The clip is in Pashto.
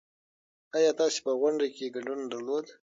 ايا تاسې په غونډه کې ګډون درلود؟